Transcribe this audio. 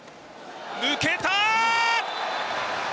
抜けた！